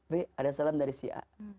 b ada salam dari si a